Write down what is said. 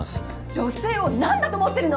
女性を何だと思ってるの？